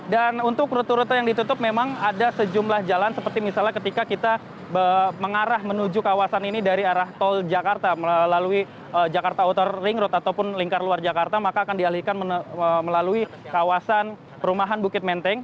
dan untuk rute rute yang ditutup memang ada sejumlah jalan seperti misalnya ketika kita mengarah menuju kawasan ini dari arah tol jakarta melalui jakarta outer ring road ataupun lingkar luar jakarta maka akan dialihkan melalui kawasan perumahan bukit menteng